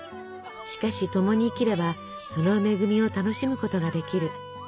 しかし共に生きればその恵みを楽しむことができる。